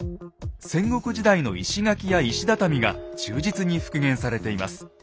戦国時代の石垣や石畳が忠実に復元されています。